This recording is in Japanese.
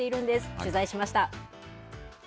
取材しました。